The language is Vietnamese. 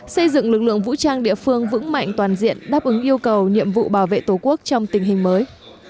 xây dựng lực lượng vũ trang địa phương vững mạnh toàn diện đáp ứng yêu cầu nhiệm vụ bảo vệ tổ quốc trong tình hình mới